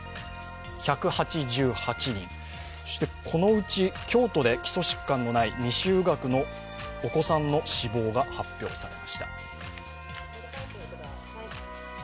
このうち京都で基礎疾患のない未就学のお子さんの死亡が発表されました。